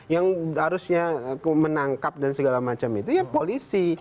yang harusnya menangkap dan segala macam itu ya polisi